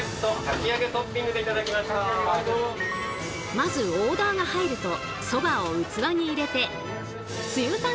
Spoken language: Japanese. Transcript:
まずオーダーが入るとそばを器に入れてつゆ担当にパス。